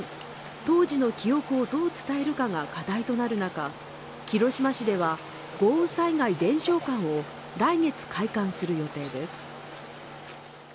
当時の記憶をどう伝えるかが課題となる中広島市では豪雨災害伝承館を来月、開館する予定です。